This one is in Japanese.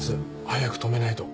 早く止めないと。